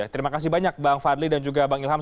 terima kasih banyak bang fadli dan juga bang ilham